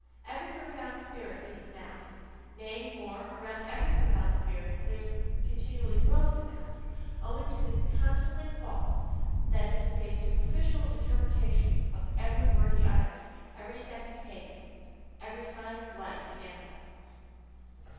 Every profound spirit needs a mask; nay, more, around every profound spirit there continually grows a mask, owing to the constantly false, that is to say, SUPERFICIAL interpretation of every word he utters, every step he takes, every sign of life he manifests.